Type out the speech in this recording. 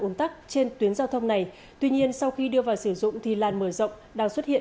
ồn tắc trên tuyến giao thông này tuy nhiên sau khi đưa vào sử dụng thì làn mở rộng đang xuất hiện